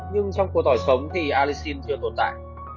nhưng trong cua tỏi sống thì allicin chưa tồn tại